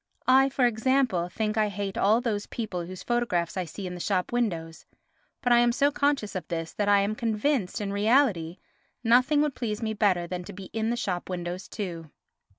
I, for example, think I hate all those people whose photographs I see in the shop windows, but I am so conscious of this that I am convinced, in reality, nothing would please me better than to be in the shop windows too.